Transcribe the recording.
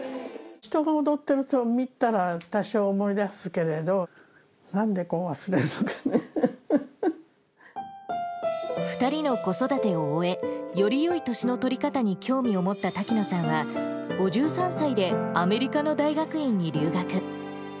人が踊ってるのを見たら多少思い出すけれど、なんでこう忘れるの２人の子育てを終え、よりよい年の取り方に興味を持った滝野さんは、５３歳でアメリカの大学院に留学。